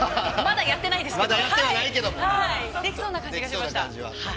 まだ、やってないですけど。